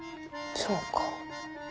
そうか。